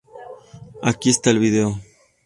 Aquí esta el vídeo.